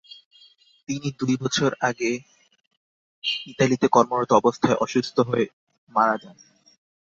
তিনি দুই বছর আগে ইতালিতে কর্মরত অবস্থায় অসুস্থ হয়ে মারা যান।